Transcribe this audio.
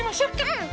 うん！